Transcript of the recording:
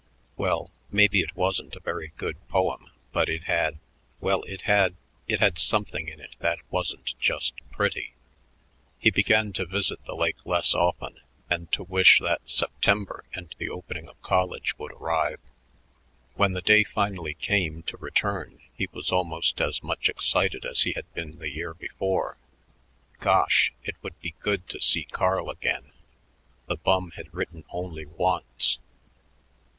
Well, maybe it wasn't a very good poem, but it had well, it had it had something in it that wasn't just pretty. He began to visit the lake less often and to wish that September and the opening of college would arrive. When the day finally came to return, he was almost as much excited as he had been the year before. Gosh! it would be good to see Carl again. The bum had written only once.